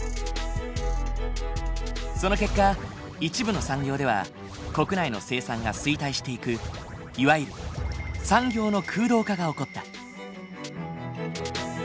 その結果一部の産業では国内の生産が衰退していくいわゆる産業の空洞化が起こった。